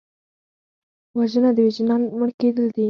وژنه د وجدان مړه کېدل دي